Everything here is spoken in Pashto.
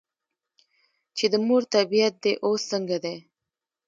چې " د مور طبیعیت دې اوس څنګه دے ؟" ـ